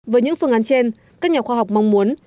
với những phương án trên các nhà khoa học mong muốn